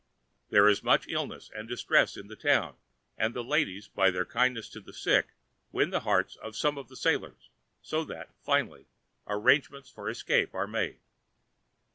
There is much illness and distress in the town, and the ladies by their kindness to the sick win the hearts of some of the sailors, so that, finally, arrangements for escape are made.